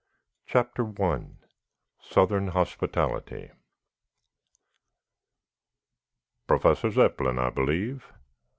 CHAPTER I SOUTHERN HOSPITALITY "Professor Zepplin, I believe?"